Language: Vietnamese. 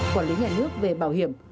quản lý nhà nước về bảo hiểm